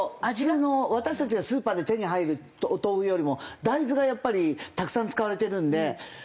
普通の私たちがスーパーで手に入るお豆腐よりも大豆がやっぱりたくさん使われてるんで。